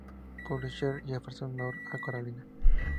Publishers, Jefferson, North Carolina.